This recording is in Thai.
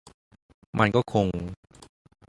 มันก็คง